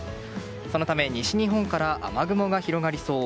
そのため西日本から雨雲が広がりそう。